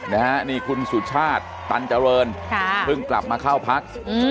นี่คุณสุชาติตันเจริญเพิ่งกลับมาเข้าพัก